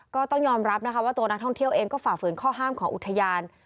ก็ต้องยอมรับนะคะว่าตัวนักท่องเที่ยวเองก็ฝ่าฝืนข้อห้ามของอุทยาน